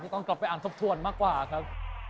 ต้องกลับไปอ่านทบทวนมากกว่าครับ